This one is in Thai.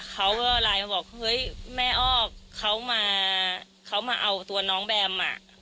เขาก็ไลน์มาบอกเฮ้ยแม่อ้อเขามาเขามาเอาตัวน้องแบมอ่ะ